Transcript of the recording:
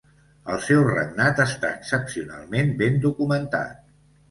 El seu regnat està excepcionalment ben documentat.